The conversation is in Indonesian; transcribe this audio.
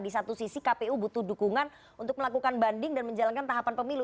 di satu sisi kpu butuh dukungan untuk melakukan banding dan menjalankan tahapan pemilu